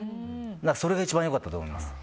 それが一番良かったと思います。